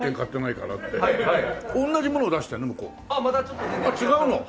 またちょっと全然違うものを。